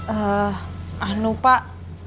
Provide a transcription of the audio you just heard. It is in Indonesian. eh anu pak